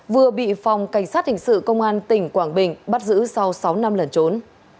vừa bị phòng cảnh sát hình sự công an tỉnh quảng bình bắt giữ sau sáu năm lần trốn